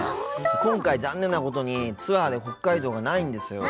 今回、残念なことにツアーで北海道ないんですよ。